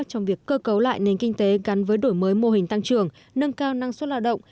trong việc cơ cấu lại nền kinh tế gắn với đổi mới mô hình tăng trưởng nâng cao năng suất lao động